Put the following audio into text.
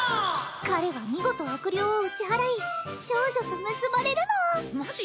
彼は見事悪霊を打ち祓い少女と結ばれるのマジ？